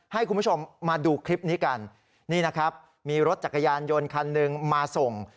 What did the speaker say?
ให้คุณผู้ชมมาดูคลิปนี้กันนี่นะครับมีรถจักรยานยนต์คันหนึ่งมาส่ง